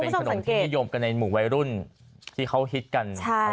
ขนมที่นิยมกันในหมู่วัยรุ่นที่เขาฮิตกัน